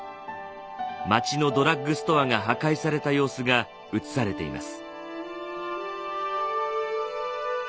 街のドラッグストアが破壊された様子が写されています。